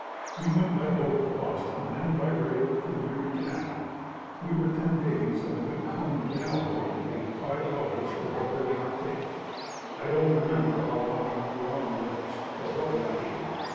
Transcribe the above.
We went by boat to Boston, then by rail to the Erie canal. We were ten days on a good clean canal boat and paid five dollars for board and our ticket. I don't remember how long we were on the lakes or what we paid.